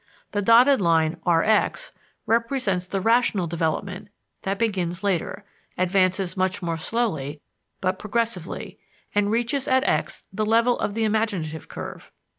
The dotted line RX represents the rational development that begins later, advances much more slowly, but progressively, and reaches at X the level of the imaginative curve.